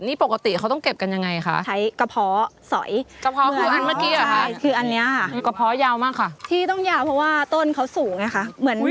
นี่ใช่ไหมคะใช่ค่ะเอากระเพาะเข้าไปแล้วก็ยิงไหมค่ะยากอยู่ยิง